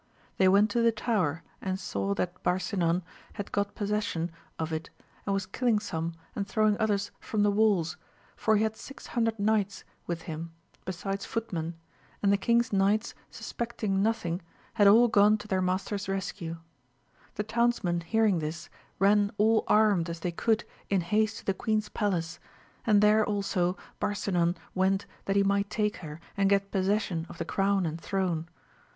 They weixt to the tower, and saw that Baxaiu^kxv V aj^ %qX» ^of^^je* 204 AMADIS OF GAUL. don of it, and was killiDg some and throwiDg oihei firom the walls, for he had six hundred knights wit him, besides footmen, and the king's knights suspeci ing nothing had all gone to their master's rescue. Th townsmen hearing this, ran all armed as they could i haste to the queen's palace, and there also Barsina went that he might take her, and get possession c the crown and throne.